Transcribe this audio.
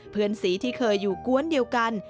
เพื่อนสีที่เคยอยู่กวนเดียวกัน